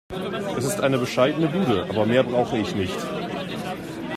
Es ist eine bescheidene Bude, aber mehr brauche ich nicht.